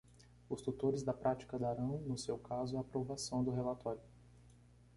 Os tutores da prática darão, no seu caso, a aprovação do relatório.